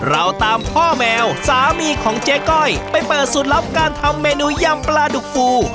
เราตามพ่อแมวสามีของเจ๊ก้อยไปเปิดสูตรลับการทำเมนูยำปลาดุกฟู